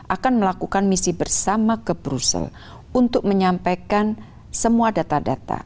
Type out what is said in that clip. akan melakukan misi bersama ke brussel untuk menyampaikan semua data data